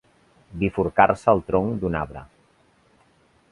Bifurcar-se el tronc d'un arbre.